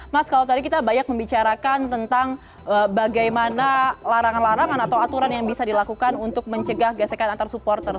mas kalau tadi kita banyak membicarakan tentang bagaimana larangan larangan atau aturan yang bisa dilakukan untuk mencegah gesekan antar supporter